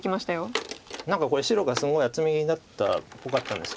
これ白がすごい厚みになったっぽかったんですけど。